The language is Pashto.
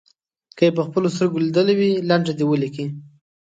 که یې په خپلو سترګو لیدلې وي لنډه دې ولیکي.